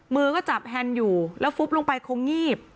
มือก็จับแฮนด์อยู่แล้วฟุบลงไปคงงีบ